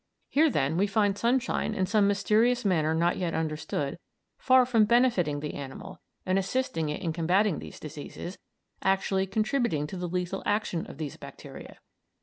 Here, then, we find sunshine, in some mysterious manner not yet understood, far from benefiting the animal and assisting it in combating these diseases, actually contributing to the lethal action of these bacteria.